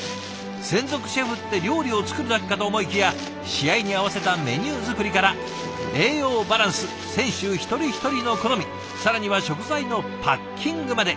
専属シェフって料理を作るだけかと思いきや試合に合わせたメニュー作りから栄養バランス選手一人一人の好み更には食材のパッキングまで。